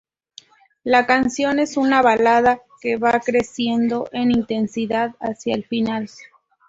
La canción es una balada que va creciendo en intensidad hacia el final.